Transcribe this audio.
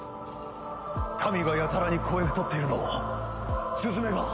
民がやたらに肥え太っているのもスズメが？